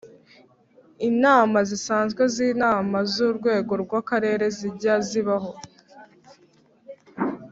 Inama zisazwe z’Inama z’urwego rw’Akarere zijya zibaho